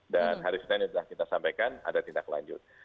dan hari senin yang telah kita sampaikan ada tindak lanjut